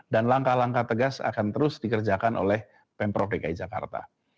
dan langkah langkah tegas akan terus dikerjakan oleh pemprov dki jakarta